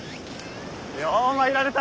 よう参られた。